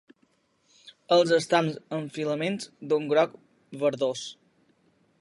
Els estams amb filaments d'un groc verdós.